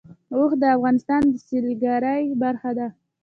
اوښ د افغانستان د سیلګرۍ برخه ده.